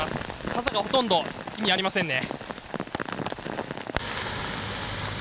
傘がほとんど意味ありませんね。